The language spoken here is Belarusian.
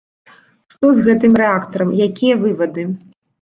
Што з гэтым рэактарам, якія вывады?